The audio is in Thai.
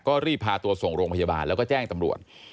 ก็รีบพาตัวส่งโรงพยาบาลแล้วก็แจ้งตำรวจ